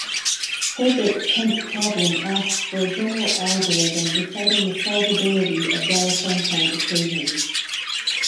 Hilbert's tenth problem asks for a general algorithm deciding the solvability of Diophantine equations.